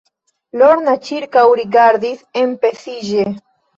Lorna ĉirkaŭrigardis enpensiĝe.